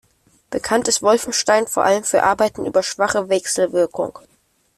Bekannt ist Wolfenstein vor allem für Arbeiten über schwache Wechselwirkung.